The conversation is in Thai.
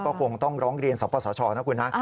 ก็คงต้องร้องเรียนสปสชนะคุณฮะ